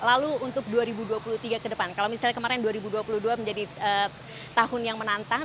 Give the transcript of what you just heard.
lalu untuk dua ribu dua puluh tiga ke depan kalau misalnya kemarin dua ribu dua puluh dua menjadi tahun yang menantang